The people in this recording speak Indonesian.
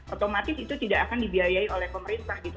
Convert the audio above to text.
otomatis itu tidak akan dibiayai oleh pemerintah gitu